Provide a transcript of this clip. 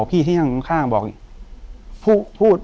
อยู่ที่แม่ศรีวิรัยิลครับ